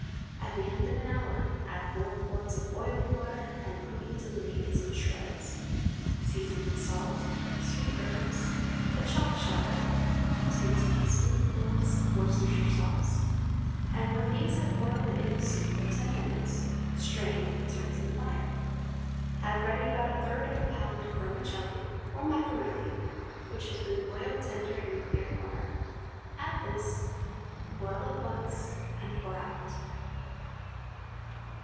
At the end of an hour, add four quarts of boiling water, and cook until the meat is in shreds. Season with salt, sweet herbs, a chopped shallot, two teaspoonfuls Worcestershire sauce, and when these have boiled in the soup for ten minutes, strain and return to the fire. Have ready about a third of a pound of vermicelli (or macaroni), which has been boiled tender in clear water. Add this; boil up once, and pour out.